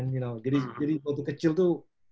jadi waktu kecil itu